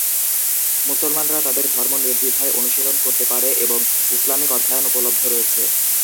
মুসলমানরা তাদের ধর্ম নির্দ্বিধায় অনুশীলন করতে পারে এবং ইসলামিক অধ্যয়ন উপলব্ধ রয়েছে।